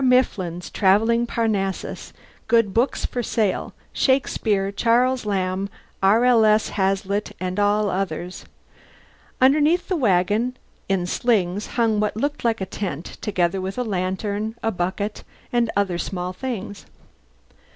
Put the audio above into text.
MIFFLIN'S TRAVELLING PARNASSUS GOOD BOOKS FOR SALE SHAKESPEARE, CHARLES LAMB, R.L.S. HAZLITT, AND ALL OTHERS Underneath the wagon, in slings, hung what looked like a tent, together with a lantern, a bucket, and other small things.